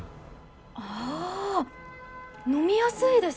あ飲みやすいです。